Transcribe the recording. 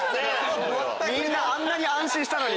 みんなあんなに安心したのに。